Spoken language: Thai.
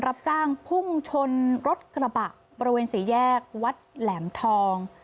รับจ้างพุ่งชนรถกระบะบริเวณสี่แยกวัดแหลมทอง